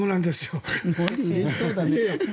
うれしそうだね。